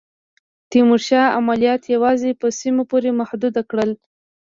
تیمورشاه عملیات یوازي په سیمو پوري محدود کړل.